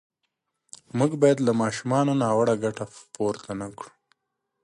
موږ باید له ماشومانو ناوړه ګټه پورته نه کړو.